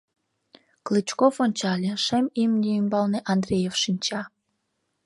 Клычков ончале: шем имне ӱмбалне Андреев шинча.